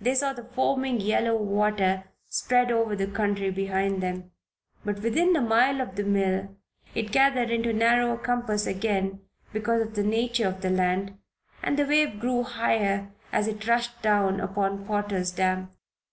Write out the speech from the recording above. They saw the foaming, yellow water spread over the country behind them; but within half a mile of the mill it gathered into narrower compass again because of the nature of the land, and the wave grew higher as it rushed down upon Potter's dam.